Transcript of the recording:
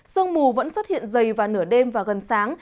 sương mù vẫn xuất hiện dày vào nửa đêm và gần sáng